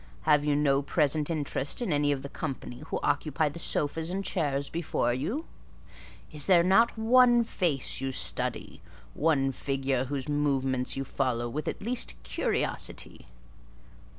Have you no present interest in any of the company who occupy the sofas and chairs before you? Is there not one face you study? one figure whose movements you follow with at least curiosity?"